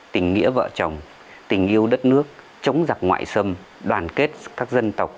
tình nghĩa vợ chồng tình yêu đất nước chống giặc ngoại xâm đoàn kết các dân tộc